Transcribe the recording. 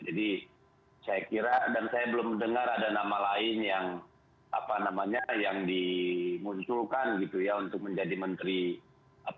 jadi saya kira dan saya belum dengar ada nama lain yang apa namanya yang dimunculkan gitu ya untuk menjadi menteri investasi